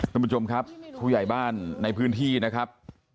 ท่านผู้ชมครับผู้ใหญ่บ้านในพื้นที่นะครับ